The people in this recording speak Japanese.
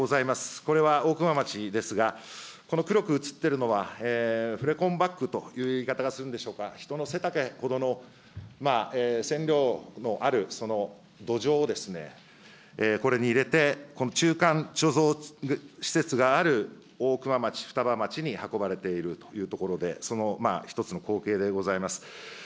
これは大熊町ですが、この黒く写ってるのは、フレコンという言い方をするんでしょうか、人の背丈ほどの線量のある土壌をこれに入れてこの中間貯蔵施設がある大熊町、双葉町に運ばれているというところで、この一つの光景でございます。